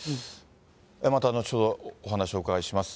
また後ほど、お話をお伺いします。